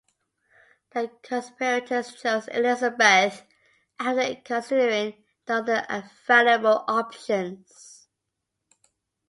The conspirators chose Elizabeth after considering the other available options.